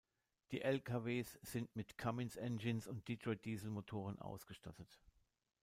Die Lkws sind mit Cummins Engines und Detroit Diesel Motoren ausgestattet.